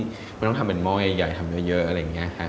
มันต้องทำเป็นหม้อใหญ่ทำเยอะอะไรอย่างนี้ค่ะ